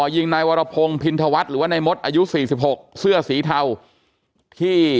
ยิงนายวรพงศ์พินธวัฒน์หรือว่านายมดอายุ๔๖เสื้อสีเทาที่